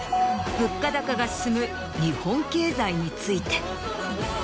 物価高が進む日本経済について。